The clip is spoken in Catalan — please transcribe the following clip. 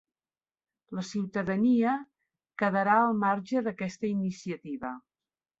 La ciutadania quedarà al marge d'aquesta iniciativa